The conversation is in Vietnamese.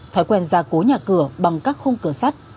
thói quen ra cố nhà cửa bằng các khung cửa sắt